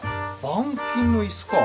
板金の椅子か。